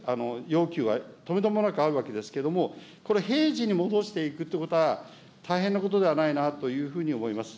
要求はとめどもなくあるわけですけれども、これ、平時に戻していくということは大変なことではないなというふうに思います。